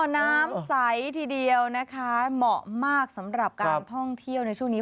น้ำใสทีเดียวนะคะเหมาะมากสำหรับการท่องเที่ยวในช่วงนี้